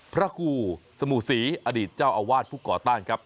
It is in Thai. พระครูสมุศรีอดีตเจ้าอาวาสผู้ก่อตั้งครับ